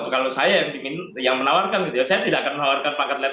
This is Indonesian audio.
kalau saya yang menawarkan gitu ya saya tidak akan menawarkan pangkat let